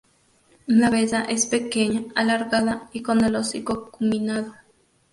La cabeza es pequeña, alargada y con el hocico acuminado.